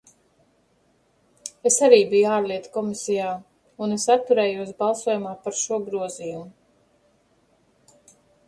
Es arī biju Ārlietu komisijā, un es atturējos balsojumā par šo grozījumu.